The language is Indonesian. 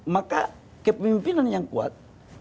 maka kepemimpinan yang kuat